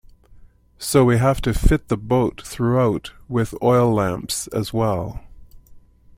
So we have to fit the boat throughout with oil lamps as well.